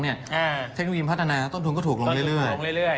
เทคโนโลยีพัฒนาต้นทุนก็ถูกลงเรื่อย